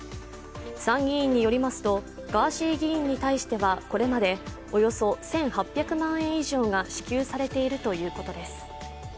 参議院によりますとガーシー議員に対してはこれまでおよそ１８００万円以上が支給されているということです。